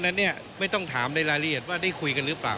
กรณีนี้ทางด้านของประธานกรกฎาได้ออกมาพูดแล้ว